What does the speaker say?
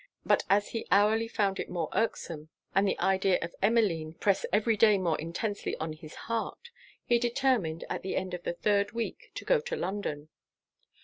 But as he hourly found it more irksome, and the idea of Emmeline press every day more intensely on his heart, he determined, at the end of the third week, to go to London.